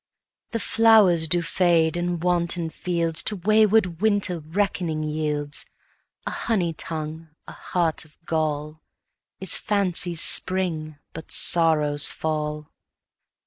The flowers do fade, and wanton fields To wayward winter reckoning yields: A honey tongue, a heart of gall, Is fancy's spring, but sorrow's fall.